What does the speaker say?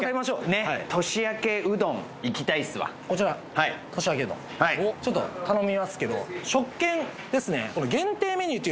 はいはいちょっと頼みますけど食券ですね